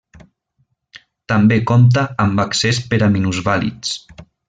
També compta amb accés per a minusvàlids.